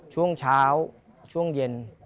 ช่วงเช้าช่วงเย็น